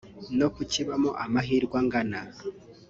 no kukibahamo amahirwe angana